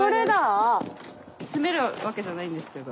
住めるわけじゃないんですけど。